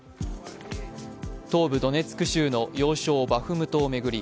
東部ドネツク州の要衝バフムトを巡り